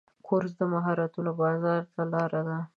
کورس د مهارتونو بازار ته لاره ده.